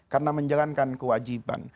karena menjalankan kewajiban